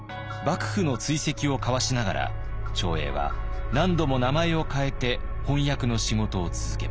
幕府の追跡をかわしながら長英は何度も名前を変えて翻訳の仕事を続けます。